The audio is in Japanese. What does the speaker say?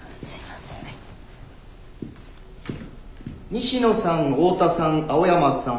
西野さん大田さん青山さん